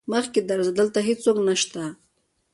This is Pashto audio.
مخکې درځه دلته هيڅوک نشته.